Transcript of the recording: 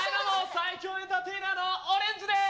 最強テンターテイナーのオレンジです！